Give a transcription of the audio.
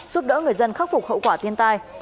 giúp đỡ người dân khắc phục hậu quả thiên tai